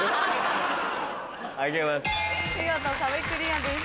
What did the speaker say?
あげます。